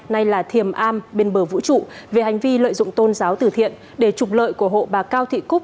nay là thiềm am bên bờ vũ trụ về hành vi lợi dụng tôn giáo tử thiện để trục lợi của hộ bà cao thị cúc